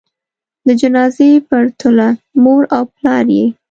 د جنازې پروتله؛ مور او پلار یې